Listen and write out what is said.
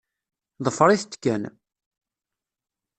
Ḍefṛet-t kan.